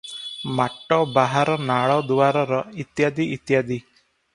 ମାଟ ବାହାର ନାଳ ଦୁଆରର - ଇତ୍ୟାଦି, ଇତ୍ୟାଦି ।